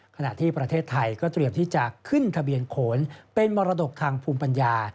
ขณะที่ประเทศไทยก็เตรียมที่จะขึ้นทะเบียนโขนเป็นมรดกทางภูมิปัญญา